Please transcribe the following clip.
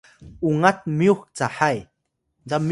ungat myux cahay